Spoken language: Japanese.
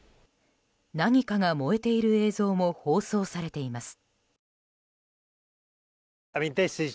何かが燃えている映像も放送されています。